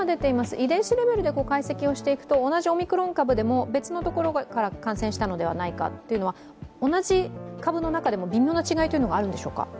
遺伝子レベルで解析をしていくと同じオミクロン株でも別のところから感染したのではないかというのは同じ株の中でも微妙な違いがあるんでしょうか？